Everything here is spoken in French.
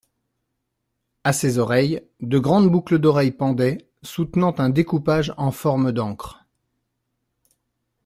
À ses oreilles, de grandes boucles d'oreilles pendaient, soutenant un découpage en forme d'ancre.